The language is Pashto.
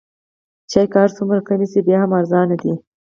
چای که هر څومره کم شي بیا هم ارزانه دی.